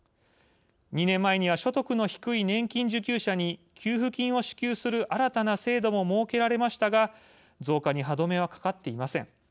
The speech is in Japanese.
２年前には所得の低い年金受給者に給付金を支給する新たな制度も設けられましたが増加に歯止めはかかっていません。